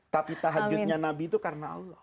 tapi tahajudnya nabi itu karena allah